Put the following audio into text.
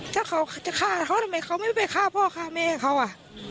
ถ้าเขาจะฆ่าเขาทำไมเขาไม่ไปฆ่าพ่อฆ่าแม่เขาอ่ะ